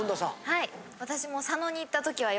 はい。